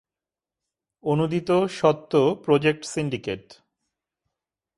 অনূদিত, স্বত্ব project syndicate.